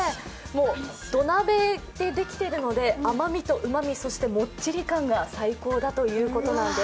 土鍋でできているので甘みとうまみ、そしてもっちり感が最高だということなんです。